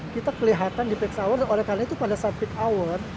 kita kelihatan di peaks hour dan oleh karena itu pada saat peak hour